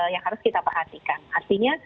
yang harus kita perhatikan artinya